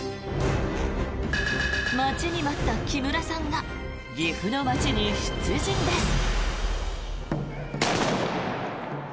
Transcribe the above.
待ちに待った木村さんが岐阜の街に出陣です。